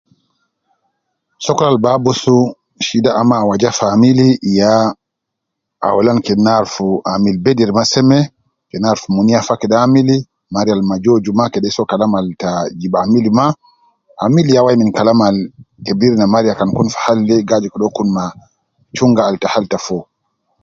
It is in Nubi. Sokol Al bi abusu shida au awaja fi amili yaa aulan kede Ina arufu gal amili bediri maa seme, Kenya arufu min ya fa ke amili maria Al ma jooju maa kede maa so Kalam ta jibu amili maa. Amili ya wai min Kalam Al kebir na maria wendis Kun fi chunga Al te Hali ta foo